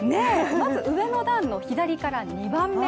まず上の段の左から２番目。